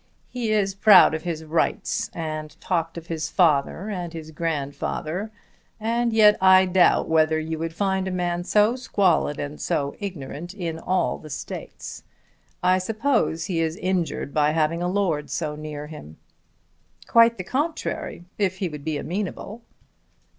He is proud of his rights, and talked of his father and his grandfather, and yet I doubt whether you would find a man so squalid and so ignorant in all the States. I suppose he is injured by having a lord so near him." "Quite the contrary if he would be amenable."